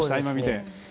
今見て。